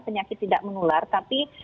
penyakit tidak menular tapi